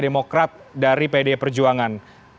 dari pd perjuangan